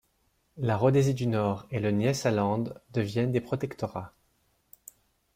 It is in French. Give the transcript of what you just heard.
La Rhodésie du nord et le Nyassaland deviennent des protectorats.